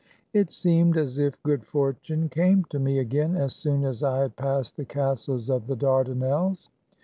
It seemed as if good fortune came to me again as soon as I had passed the castles of the Dardanelles.